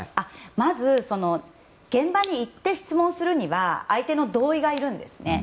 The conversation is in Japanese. まず現場に行って質問するには相手の同意がいるんですね。